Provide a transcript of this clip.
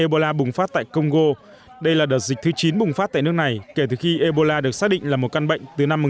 ebola bùng phát tại congo đây là đợt dịch thứ chín bùng phát tại nước này kể từ khi ebola được xác định là một căn bệnh từ năm một nghìn chín trăm tám